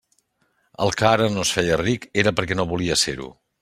El que ara no es feia ric era perquè no volia ser-ho.